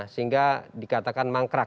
sehingga dikatakan mangkrak